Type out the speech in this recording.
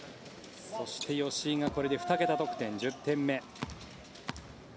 そして、吉井が２桁得点１０点目。